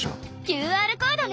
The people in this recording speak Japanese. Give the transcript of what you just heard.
ＱＲコードね。